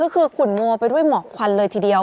ก็คือขุนนัวไปด้วยหมอกควันเลยทีเดียว